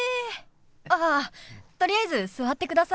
あっとりあえず座ってください。